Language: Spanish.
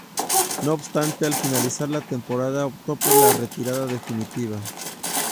No obstante al finalizar la temporada optó por la retirada definitiva.